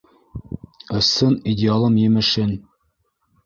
Ысын идеалым емешен.